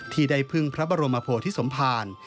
ที่ได้พึ่งพระบรมโพธิสมภาร